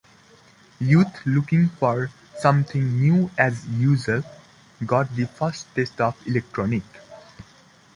Youth, looking for something new as usual, got the first taste of electronic.